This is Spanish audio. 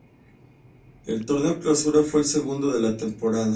El Torneo Clausura fue el segundo de la temporada.